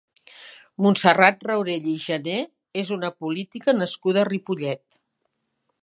Montserrat Raurell i Jané és una política nascuda a Ripollet.